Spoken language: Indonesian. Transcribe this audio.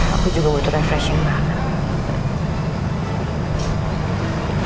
aku juga mau refreshing banget